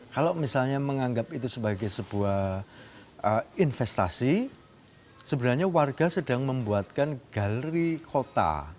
kalau misalnya menganggap itu sebagai sebuah investasi sebenarnya warga sedang membuatkan galeri kota